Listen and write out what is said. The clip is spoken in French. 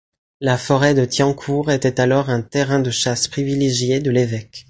La forêt de Thiancourt était alors un terrain de chasse privilégié de l'évêque.